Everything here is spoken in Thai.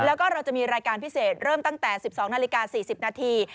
แล้วก็เราจะมีรายการพิเศษเริ่มตั้งแต่๑๒นาฬิกา๔๐นาที